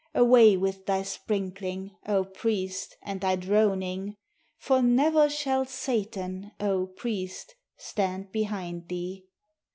Away with thy sprinkling, O Priest, and thy droning, For never shall Satan, O Priest, stand behind thee.